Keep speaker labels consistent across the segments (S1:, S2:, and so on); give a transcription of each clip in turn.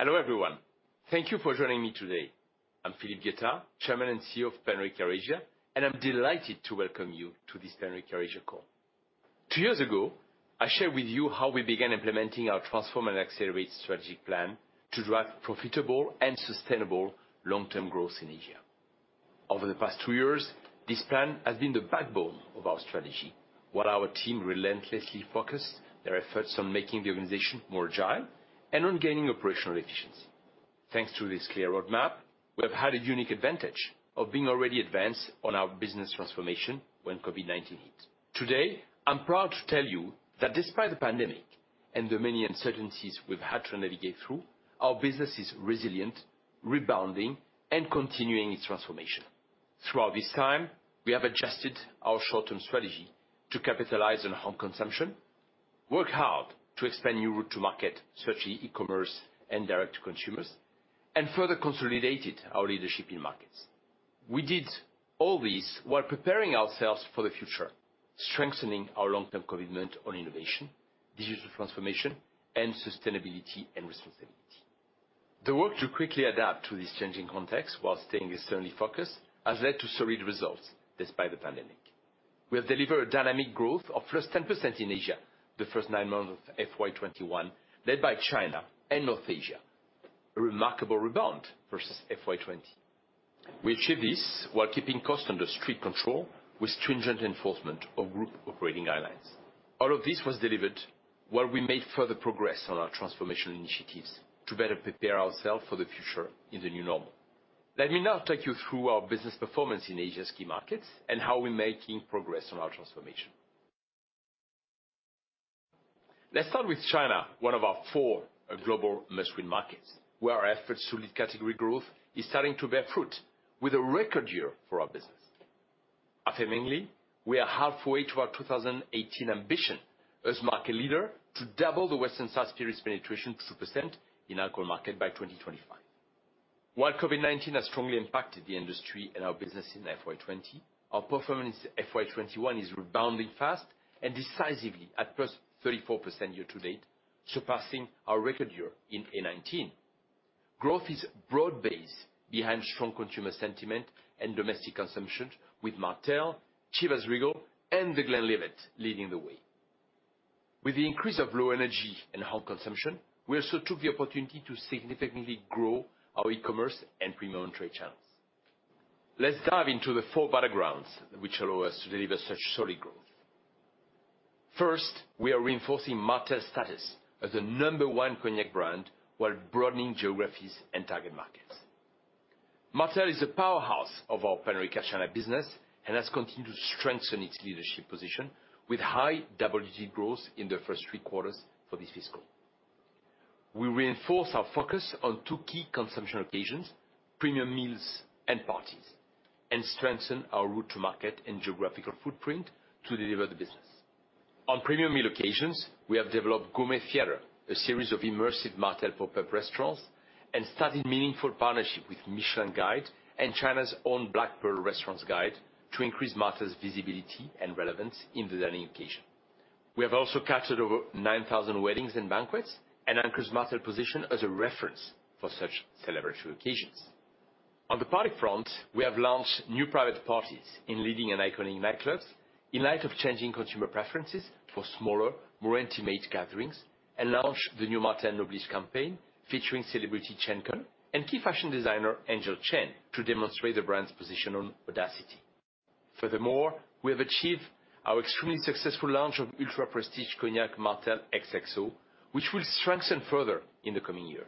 S1: Hello, everyone. Thank you for joining me today. I'm Philippe Guettat, Chairman and CEO of Pernod Ricard Asia, and I'm delighted to welcome you to this Pernod Ricard Asia call. Two years ago, I shared with you how we began implementing our Transform and Accelerate strategic plan to drive profitable and sustainable long-term growth in Asia. Over the past two years, this plan has been the backbone of our strategy, while our team relentlessly focused their efforts on making the organization more agile and on gaining operational efficiency. Thanks to this clear roadmap, we have had a unique advantage of being already advanced on our business transformation when COVID-19 hit. Today, I'm proud to tell you that despite the pandemic and the many uncertainties we've had to navigate through, our business is resilient, rebounding, and continuing its transformation. Throughout this time, we have adjusted our short-term strategy to capitalize on home consumption, worked hard to expand new route to market, especially e-commerce and direct-to-consumer, and further consolidated our leadership in markets. We did all this while preparing ourselves for the future, strengthening our long-term commitment on innovation, digital transformation, and Sustainability and Responsibility. The work to quickly adapt to this changing context while staying externally focused has led to solid results despite the pandemic. We have delivered dynamic growth of +10% in Asia, the first nine months of FY 2021, led by China and North Asia, a remarkable rebound versus FY 2020. We achieved this while keeping costs under strict control with stringent enforcement of group operating guidelines. All of this was delivered while we made further progress on our transformation initiatives to better prepare ourselves for the future in the new normal. Let me now take you through our business performance in Asia's key markets and how we're making progress on our transformation. Let's start with China, one of our four global mainstream markets, where our efforts to lead category growth is starting to bear fruit with a record year for our business. Attendingly, we are halfway to our 2018 ambition as market leader to double the Western-style spirits penetration to 2% in alcohol market by 2025. While COVID-19 has strongly impacted the industry and our business in FY 2020, our performance in FY 2021 is rebounding fast and decisively at +34% year to date, surpassing our record year in FY 2019. Growth is broad-based behind strong consumer sentiment and domestic consumption with Martell, Chivas Regal, and The Glenlivet leading the way. With the increase of low energy and home consumption, we also took the opportunity to significantly grow our e-commerce and premium trade channels. Let's dive into the four battlegrounds, which allow us to deliver such solid growth. First, we are reinforcing Martell's status as the number one cognac brand while broadening geographies and target markets. Martell is the powerhouse of our Pernod Ricard China business and has continued to strengthen its leadership position with high double-digit growth in the first three quarters for this fiscal. We reinforce our focus on two key consumption occasions, premium meals and parties, and strengthen our route to market and geographical footprint to deliver the business. On premium meal occasions, we have developed Gourmet Theater, a series of immersive Martell pop-up restaurants, and started meaningful partnership with Michelin Guide and China's own Black Pearl Restaurant Guide to increase Martell's visibility and relevance in the dining occasion. We have also captured over 9,000 weddings and banquets and anchored Martell's position as a reference for such celebratory occasions. On the party front, we have launched new private parties in leading and iconic nightclubs in light of changing consumer preferences for smaller, more intimate gatherings and launched the new Martell Noblige campaign featuring celebrity Chen Kun and key fashion designer Angel Chen to demonstrate the brand's position on audacity. Furthermore, we have achieved our extremely successful launch of ultra prestige cognac Martell XXO, which we'll strengthen further in the coming year.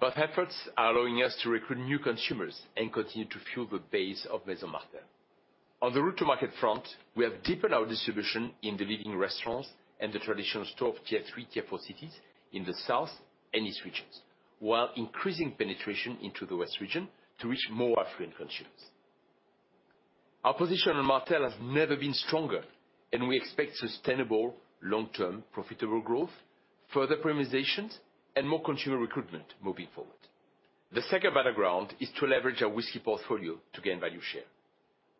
S1: Both efforts are allowing us to recruit new consumers and continue to fuel the base of Maison Martell. On the route to market front, we have deepened our distribution in the leading restaurants and the traditional store of Tier 3, Tier 4 cities in the south and east regions while increasing penetration into the west region to reach more affluent consumers. Our position on Martell has never been stronger, and we expect sustainable, long-term, profitable growth, further premiumizations, and more consumer recruitment moving forward. The second battleground is to leverage our whiskey portfolio to gain value share.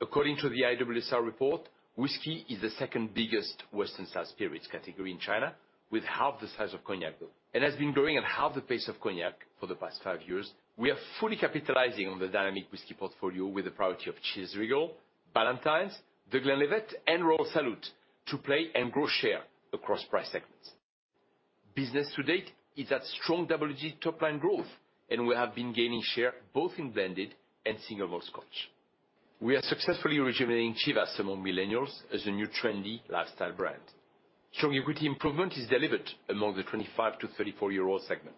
S1: According to the IWSR report, whiskey is the second biggest Western style spirits category in China with half the size of cognac and has been growing at half the pace of cognac for the past five years. We are fully capitalizing on the dynamic whisky portfolio with the priority of Chivas Regal, Ballantine's, The Glenlivet, and Royal Salute to play and grow share across price segments. Business to date is at strong double-digit top-line growth, and we have been gaining share both in blended and single malt Scotch. We are successfully rejuvenating Chivas among millennials as a new trendy lifestyle brand. Strong equity improvement is delivered along the 25-34-year-old segment,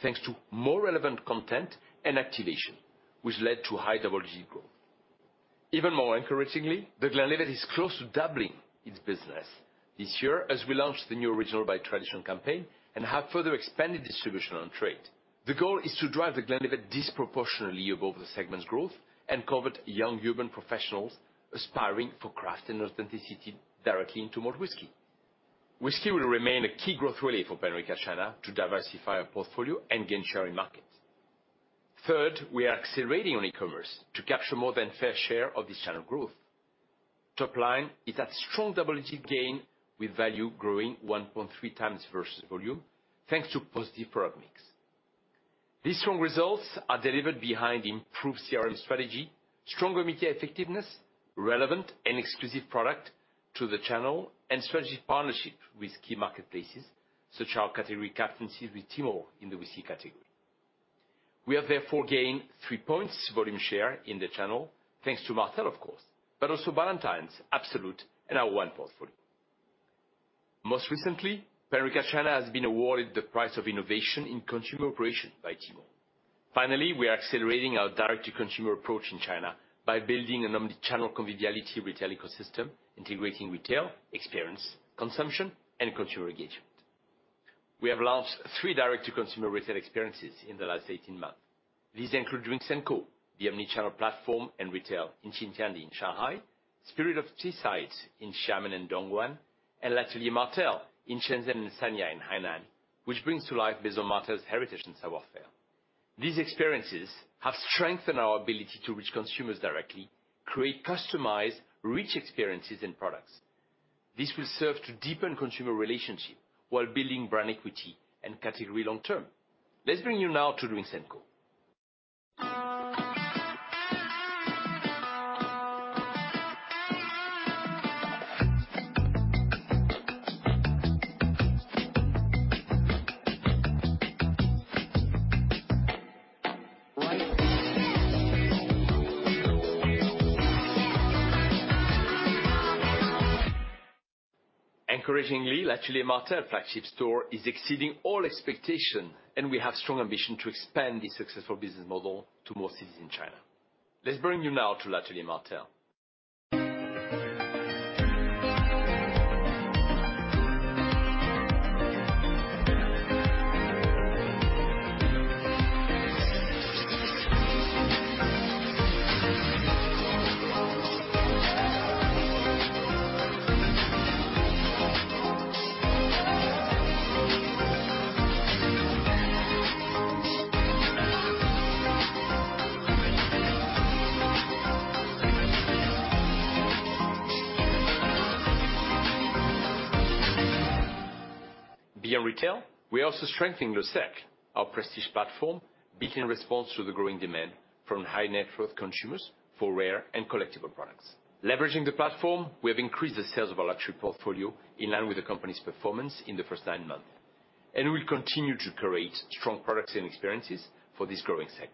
S1: thanks to more relevant content and activation, which led to high double-digit growth. Even more encouragingly, The Glenlivet is close to doubling its business this year as we launched the new Original by Tradition campaign and have further expanded distribution on-trade. The goal is to drive The Glenlivet disproportionately above the segment's growth and convert young urban professionals aspiring for craft and authenticity directly into malt whisky. Whiskey will remain a key growth relay for Pernod Ricard China to diversify our portfolio and gain share in market. We are accelerating on e-commerce to capture more than fair share of this channel growth. Top line, it had strong double-digit gain with value growing 1.3 times versus volume, thanks to positive product mix. These strong results are delivered behind improved CRM strategy, stronger media effectiveness, relevant and exclusive product to the channel, and strategic partnership with key marketplaces, such our category captaincy with Tmall in the whiskey category. We are therefore gaining three points volume share in the channel, thanks to Martell, of course, but also Ballantine's, Absolut, and our wine portfolio. Most recently, Pernod Ricard China has been awarded the prize of innovation in consumer operations by Tmall. Finally, we are accelerating our direct-to-consumer approach in China by building an omni-channel convivial retail ecosystem, integrating retail, experience, consumption, and consumer engagement. We have launched three direct-to-consumer retail experiences in the last 18 months. These include Drinks&Co, the omni-channel platform and retail in Xin Tian Di in Shanghai, Spirit of Tea in Xiamen and Dongguan, and L'Atelier Martell in Shenzhen and Sanya in Hainan, which brings to life Maison Martell's heritage and savoir-faire. These experiences have strengthened our ability to reach consumers directly, create customized, rich experiences and products. This will serve to deepen consumer relationship while building brand equity and category long-term. Let's bring you now to Drinks&Co. Encouragingly, L'Atelier Martell flagship store is exceeding all expectation, and we have strong ambition to expand this successful business model to more cities in China. Let's bring you now to L'Atelier Martell. Beyond retail, we are also strengthening Les Aficionados, our prestige platform, became a response to the growing demand from high net worth consumers for rare and collectible products. Leveraging the platform, we have increased the sales of our luxury portfolio in line with the company's performance in the first nine months. We continue to create strong products and experiences for this growing segment.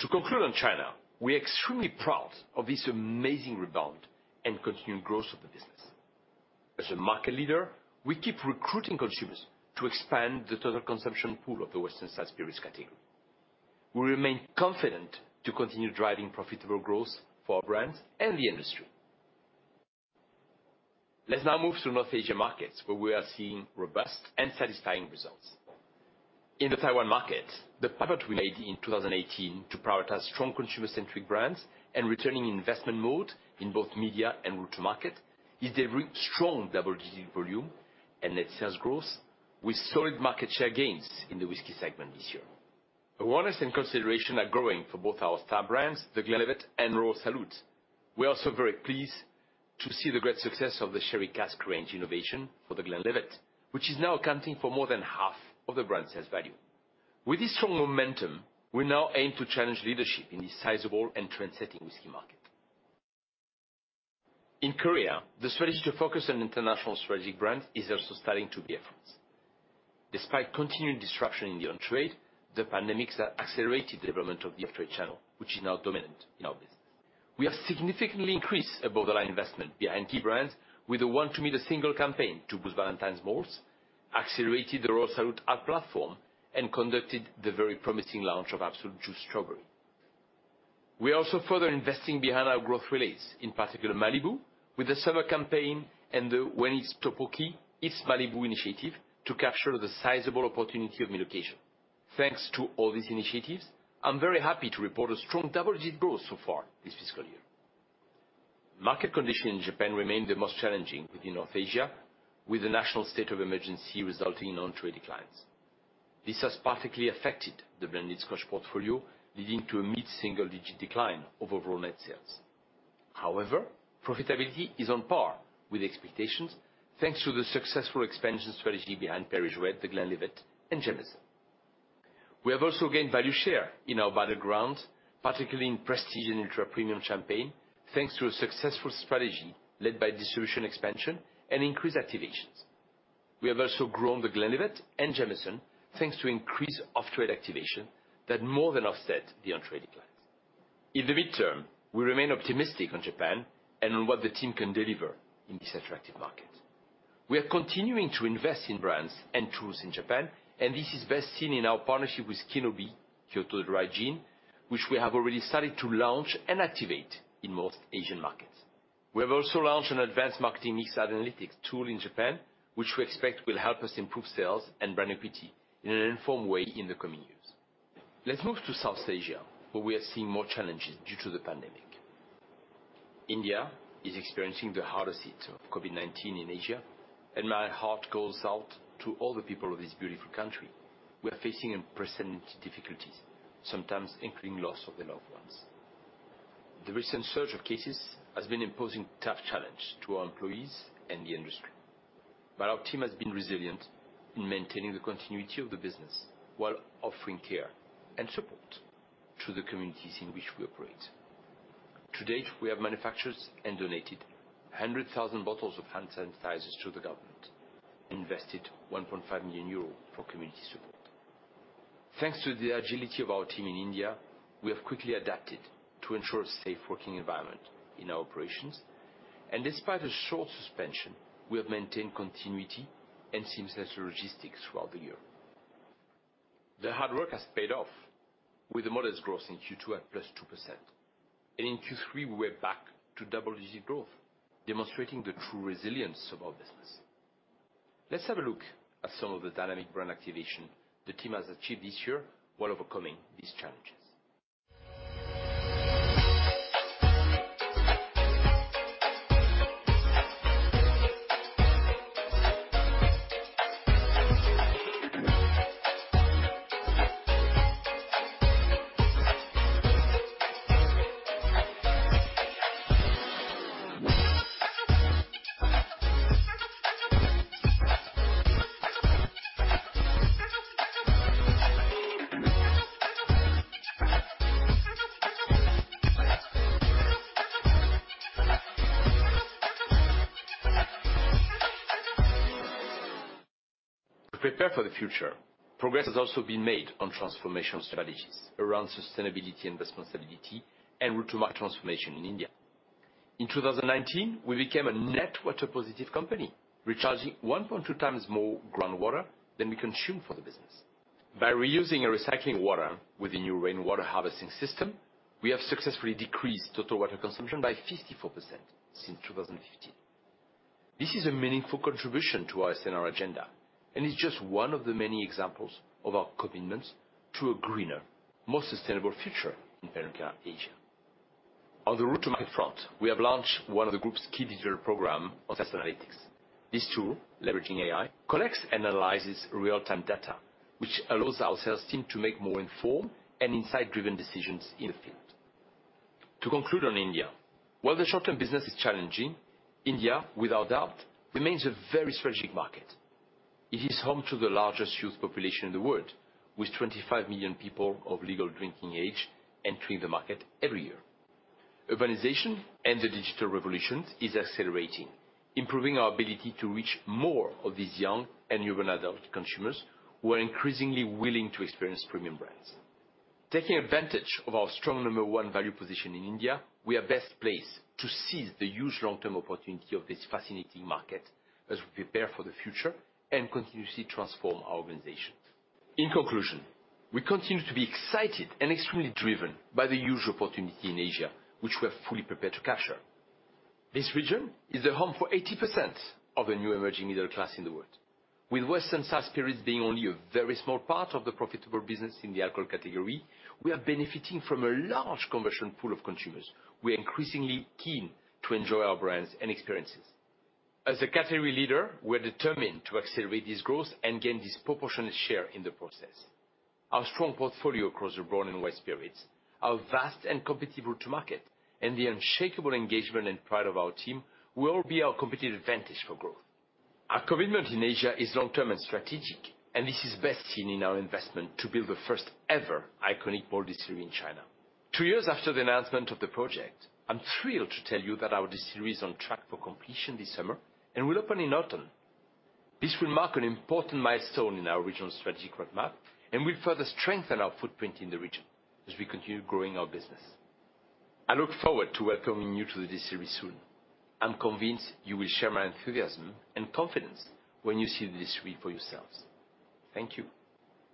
S1: To conclude on China, we are extremely proud of this amazing rebound and continued growth of the business. As a market leader, we keep recruiting consumers to expand the total consumption pool of the western sized spirits category. We remain confident to continue driving profitable growth for our brands and the industry. Let's now move to North Asia markets, where we are seeing robust and satisfying results. In the Taiwan market, the pivot we made in 2018 to prioritize strong consumer-centric brands and returning investment mode in both media and route to market is delivering strong double-digit volume and net sales growth with solid market share gains in the whiskey segment this year. Awareness and consideration are growing for both our star brands, The Glenlivet and Royal Salute. We are also very pleased to see the great success of the Sherry Cask range innovation for The Glenlivet, which is now accounting for more than half of the brand sales value. With this strong momentum, we now aim to challenge leadership in this sizable and trend-setting whiskey market. In Korea, the strategy to focus on international strategic brands is also starting to bear fruits. Despite continued disruption in the on-trade, the pandemic has accelerated the development of the off-trade channel, which is now dominant nowadays. We have significantly increased above-the-line investment behind key brands with a one-to-many single campaign to boost Ballantine's, accelerated the Royal Salute hub platform, and conducted the very promising launch of Absolut Juice Strawberry. We are also further investing behind our growth relates, in particular Malibu, with the summer campaign and the When it's Tteok-bokki, it's Malibu initiative to capture the sizable opportunity of the location. Thanks to all these initiatives, I'm very happy to report a strong double-digit growth so far this fiscal year. Market condition in Japan remained the most challenging within North Asia, with the national state of emergency resulting in on-trade declines. This has perfectly affected the blended Scotch portfolio, leading to a mid-single digit decline of overall net sales. However, profitability is on par with expectations, thanks to the successful expansion strategy behind Perrier-Jouët, The Glenlivet, and Jameson. We have also gained value share in our broader brands, particularly in prestige and ultra-premium Champagne, thanks to a successful strategy led by distribution expansion and increased activations. We have also grown The Glenlivet and Jameson, thanks to increased off-trade activation that more than offset the on-trade declines. In the midterm, we remain optimistic on Japan and on what the team can deliver in this attractive market. We are continuing to invest in brands and tools in Japan. This is best seen in our partnership with Ki No Bi Kyoto Dry Gin, which we have already started to launch and activate in North Asian markets. We have also launched an advanced marketing mix analytics tool in Japan, which we expect will help us improve sales and brand equity in an informed way in the coming years. Let's move to South Asia, where we are seeing more challenges due to the pandemic. India is experiencing the hardest hit of COVID-19 in Asia, and my heart goes out to all the people of this beautiful country, who are facing unprecedented difficulties, sometimes including loss of their loved ones. The recent surge of cases has been imposing tough challenge to our employees and the industry. Our team has been resilient in maintaining the continuity of the business while offering care and support to the communities in which we operate. To date, we have manufactured and donated 100,000 bottles of hand sanitizers to the government and invested 1.5 million euro for community support. Thanks to the agility of our team in India, we have quickly adapted to ensure a safe working environment in our operations. Despite a short suspension, we have maintained continuity and seamless logistics throughout the year. The hard work has paid off with a modest growth in Q2 at + 2%. In Q3, we are back to double-digit growth, demonstrating the true resilience of our business. Let's have a look at some of the dynamic brand activation the team has achieved this year while overcoming these challenges. To prepare for the future, progress has also been made on transformation strategies around sustainability and responsibility and route to market transformation in India. In 2019, we became a net water positive company, recharging 1.2 times more groundwater than we consume for the business. By reusing and recycling water with a new rainwater harvesting system, we have successfully decreased total water consumption by 54% since 2015. This is a meaningful contribution to our S&R agenda, and it's just one of the many examples of our commitment to a greener, more sustainable future in Pernod Ricard Asia. On the route to market front, we have launched one of the group's key digital program on sales analytics. This tool, leveraging AI, collects, analyzes real-time data, which allows our sales team to make more informed and insight-driven decisions in the field. To conclude on India, while the short-term business is challenging, India, without doubt, remains a very strategic market. It is home to the largest youth population in the world, with 25 million people of legal drinking age entering the market every year. Urbanization and the digital revolution is accelerating, improving our ability to reach more of these young and urban adult consumers who are increasingly willing to experience premium brands. Taking advantage of our strong number one value position in India, we are best placed to seize the huge long-term opportunity of this fascinating market as we prepare for the future and continuously transform our organization. In conclusion, we continue to be excited and extremely driven by the huge opportunity in Asia, which we are fully prepared to capture. This region is the home for 80% of the new emerging middle class in the world. With Western-style spirits being only a very small part of the profitable business in the alcohol category, we are benefiting from a large conversion pool of consumers who are increasingly keen to enjoy our brands and experiences. As a category leader, we're determined to accelerate this growth and gain disproportionate share in the process. Our strong portfolio across the brown and white spirits, our vast and competitive route to market, and the unshakable engagement and pride of our team will be our competitive advantage for growth. Our commitment in Asia is long-term and strategic. This is best seen in our investment to build the first ever iconic world distillery in China. Two years after the announcement of the project, I'm thrilled to tell you that our distillery is on track for completion this summer and will open in autumn. This will mark an important milestone in our regional strategic roadmap and will further strengthen our footprint in the region as we continue growing our business. I look forward to welcoming you to the distillery soon. I'm convinced you will share my enthusiasm and confidence when you see the distillery for yourselves. Thank you.